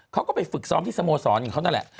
เขาก็ไปฝึกซ้อมที่สโมสรของเขานั่นแหละ